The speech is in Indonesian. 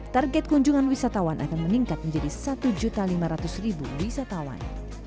target kunjungan wisatawan akan meningkat menjadi satu lima ratus wisatawan